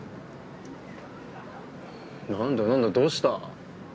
何だ何だどうした？